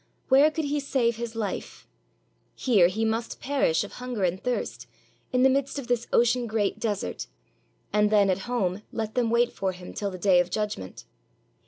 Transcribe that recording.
Where could he save his life? Here he must perish of hunger and thirst in the midst of this ocean great desert, and then at home let them wait for him till the Day of Judgment.